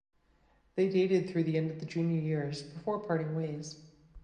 They dated through the end of the junior years before parting ways.